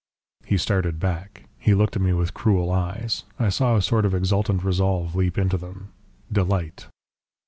"He started back. He looked at me with cruel eyes. I saw a sort of exultant resolve leap into them delight.